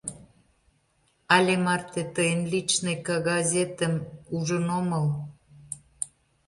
— Але марте тыйын личный кагазетым ужын омыл...